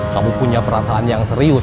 kamu punya perasaan yang serius